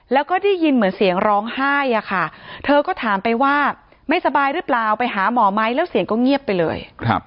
แล้วก็ได้ยินเหมือนเสียงร้องไห้อะค่ะเธอก็ถามไปว่าไม่สบายหรือเปล่าไปหาหมอไหมแล้วเสียงก็เงียบไปเลย